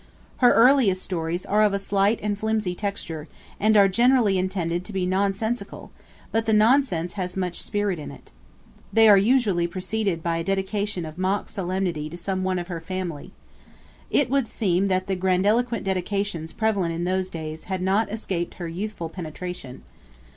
Her earliest stories are of a slight and flimsy texture, and are generally intended to be nonsensical, but the nonsense has much spirit in it. They are usually preceded by a dedication of mock solemnity to some one of her family. It would seem that the grandiloquent dedications prevalent in those days had not escaped her youthful penetration.